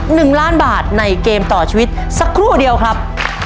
หนึ่งล้านบาทในเกมต่อชีวิตสักครู่เดียวครับ